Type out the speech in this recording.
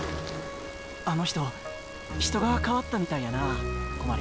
あの人人が変わったみたいやな小鞠。